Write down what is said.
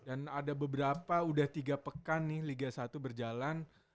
dan ada beberapa udah tiga pekan nih liga satu berjalan